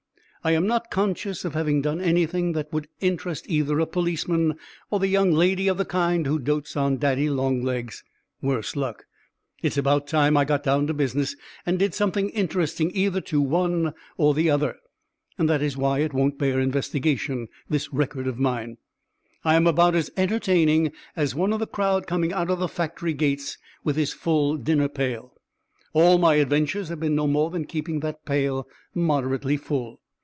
I am not conscious of having done anything that would interest either a policeman or the young lady of the kind who dotes on Daddy Long Legs; worse luck. It's about time I got down to business and did something interesting either to one or the other. That is why it won't bear investigation, this record of mine. I am about as entertaining as one of the crowd coming out of the factory gates with his full dinner pail. All my adventures have been no more than keeping that pail moderately full.